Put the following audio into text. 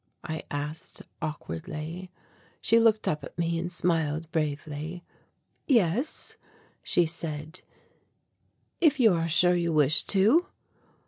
I asked awkwardly. She looked up at me and smiled bravely. "Yes," she said, "if you are sure you wish to."